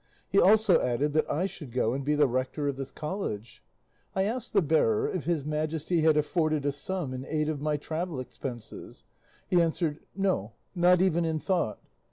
He also added that I should go and be the rector of this college. I asked the bearer if His Majesty had afforded a sum in aid of my travel expenses. He answered, "No, not even in thought."